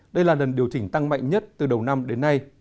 đây là lần điều chỉnh tăng mạnh nhất từ đầu năm đến nay